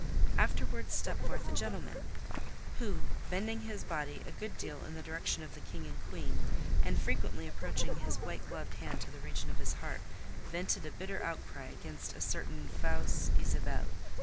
Afterwards stepped forth a gentleman, who, bending his body a good deal in the direction of the King and Queen, and frequently approaching his white gloved hand to the region of his heart, vented a bitter outcry against a certain "fausse Isabelle."